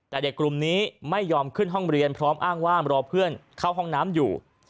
แต่เด็กกลุ่มนี้ไม่ยอมขึ้นห้องเรียนพร้อมอ้างว่ารอเพื่อนเข้าห้องน้ำอยู่